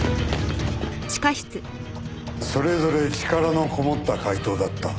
それぞれ力のこもった解答だった。